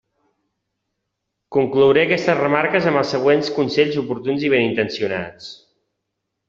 Conclouré aquestes remarques amb els següents consells oportuns i benintencionats.